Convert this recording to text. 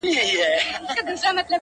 ځکه که ګاز بې بویه پاتې شي